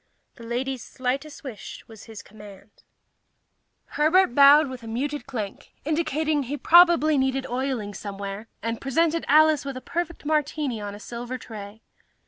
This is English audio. The ladies' slightest wish was his command...._ BY CHARLES L. FONTENAY Herbert bowed with a muted clank indicating he probably needed oiling somewhere and presented Alice with a perfect martini on a silver tray.